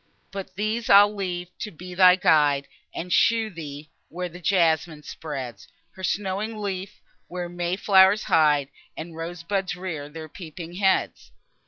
But these I'll leave to be thy guide, And show thee, where the jasmine spreads Her snowy leaf, where may flow'rs hide, And rose buds rear their peeping heads.